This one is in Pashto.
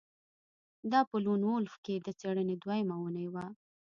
دا په لون وولف کې د څیړنې دویمه اونۍ وه